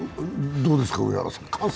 どうですか？